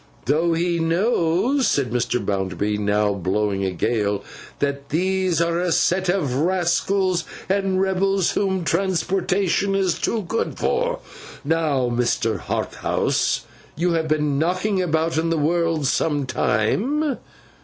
'Though he knows,' said Mr. Bounderby, now blowing a gale, 'that there are a set of rascals and rebels whom transportation is too good for! Now, Mr. Harthouse, you have been knocking about in the world some time.